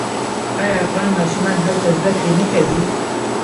آیا افغان ماشومان هلته زده کړې نه کوي؟